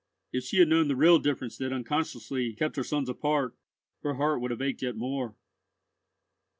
If she had known the real difference that unconsciously kept her sons apart, her heart would have ached yet more.